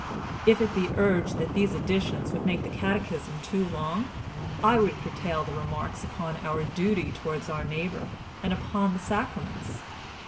If it be urged that these additions would make the Catechism too long I would curtail the remarks upon our duty towards our neighbour and upon the sacraments.